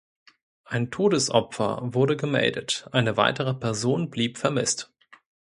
Ein Todesopfer wurde gemeldet, eine weitere Person blieb vermisst.